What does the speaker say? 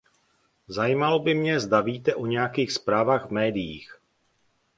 Zajímalo by mě, zda víte o nějakých zprávách v médiích.